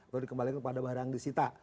lalu dikembalikan kepada barang disita